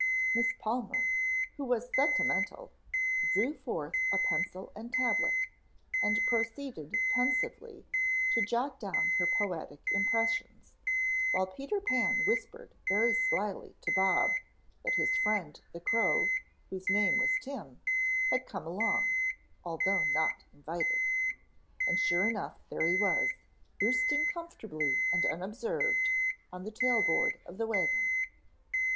Miss Palmer, who was sentimental, drew forth a pencil and tablet, and proceeded pensively to jot down her poetic impressions, while Peter Pan whispered very slyly to Bob that his friend, the crow, whose name was Tim, had come along, although not invited. And sure enough there he was, roosting comfortably and unobserved on the tail board of the wagon.